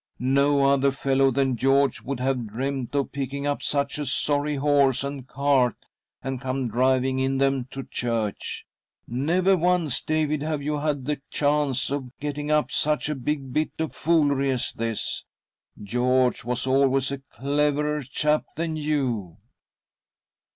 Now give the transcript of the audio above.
No other fellow than George would have ■dreamt of picking up such a sorry horse and cart, and come driving in them to church ! Never once, • David, have you had the chance of getting up such a big bit of foolery as this. George was always a cleverer chap than you."